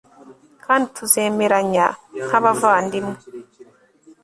kandi tuzemeranya nkabavandimwe